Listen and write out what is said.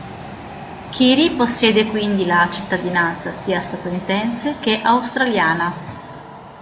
Kyrie possiede quindi la cittadinanza sia statunitense che australiana.